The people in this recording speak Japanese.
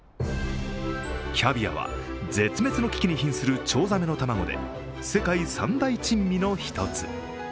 キャビアは絶滅の危機に瀕するチョウザメの卵で世界三大珍味の１つ。